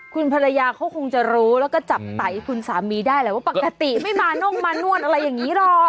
คุณภรรยาเขาคงจะรู้แล้วก็จับไตคุณสามีได้แหละว่าปกติไม่มาน่งมานวดอะไรอย่างนี้หรอก